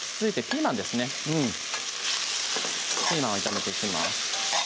ピーマンを炒めていきます